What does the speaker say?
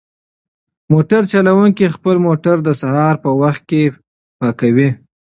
موټر چلونکی خپل موټر د سهار په وخت کې پاکوي.